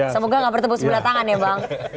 semoga gak bertemu sebelah tangan ya bang